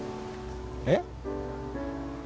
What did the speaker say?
えっ？